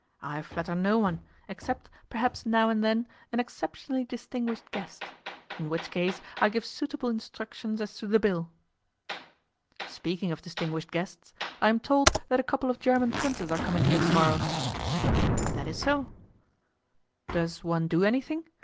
I flatter no one, except, perhaps, now and then an exceptionally distinguished guest. In which case I give suitable instructions as to the bill.' 'Speaking of distinguished guests, I am told that a couple of German princes are coming here to morrow.' 'That is so.' 'Does one do anything?